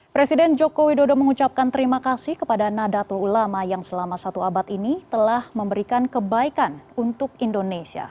presiden joko widodo mengucapkan terima kasih kepada nadatul ulama yang selama satu abad ini telah memberikan kebaikan untuk indonesia